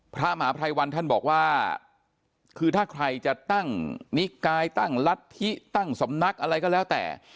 พระมหาภัยวันท่านบอกว่าคือถ้าใครจะตั้งนิกายตั้งรัฐธิตั้งสำนักอะไรก็แล้วแต่